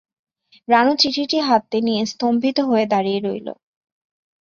রানু চিঠিটি হাতে নিয়ে স্তম্ভিত হয়ে দাঁড়িয়ে রইল।